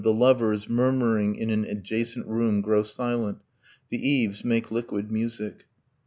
The lovers, Murmuring in an adjacent room, grow silent, The eaves make liquid music.